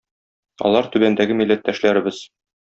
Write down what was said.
Алар түбәндәге милләттәшләребез